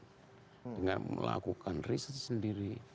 dengan melakukan riset sendiri